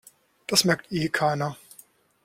Das merkt eh keiner.